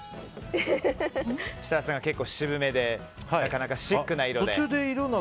設楽さんが結構渋めでなかなかシックな色で。